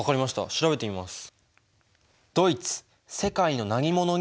調べてみます。